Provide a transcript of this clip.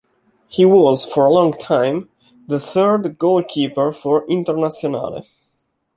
He was, for a long time, the third goalkeeper for Internazionale.